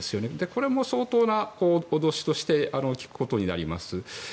これも相当な脅しとして効くことになります。